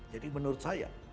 jadi menurut saya